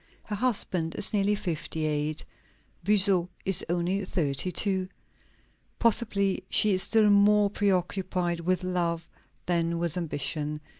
Her husband is nearly fifty eight; Buzot is only thirty two. Possibly she is still more preoccupied with love than with ambition.